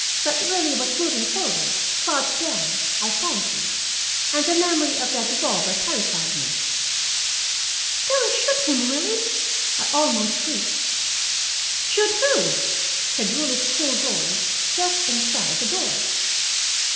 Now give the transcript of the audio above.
But Willie was moving forward, crouched down, I fancied, and the memory of that revolver terrified me. "Don't shoot him, Willie!" I almost shrieked. "Shoot whom?" said Willie's cool voice, just inside the door.